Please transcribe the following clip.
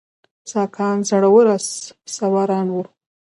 ساکان زړور آس سواران وو